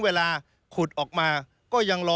เวลาขุดออกมาก็ยังรอ